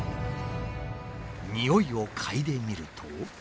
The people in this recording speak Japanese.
においを嗅いでみると。